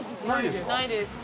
ないですか？